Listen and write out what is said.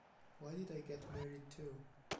Why Did I Get Married Too?